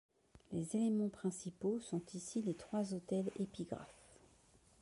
Les éléments principaux sont ici les trois autels épigraphes.